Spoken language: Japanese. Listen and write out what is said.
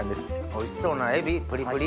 おいしそうなエビプリプリ。